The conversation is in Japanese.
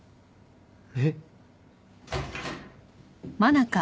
えっ？